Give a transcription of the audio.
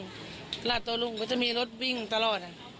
ราชการโรงบาลโต้ลุ่งก็จะมีรถวิ่งตลอด